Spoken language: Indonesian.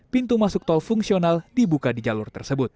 pintu masuk tol fungsional dibuka di jalur tersebut